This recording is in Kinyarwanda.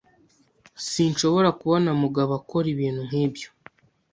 Sinshobora kubona Mugabo akora ibintu nkibyo.